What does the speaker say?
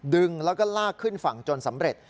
ดึงแล้วก็ลากขึ้นฝั่งจนสำเร็จ